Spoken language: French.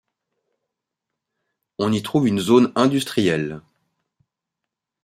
On y trouve une zone industrielle.